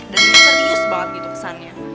dan serius banget gitu kesannya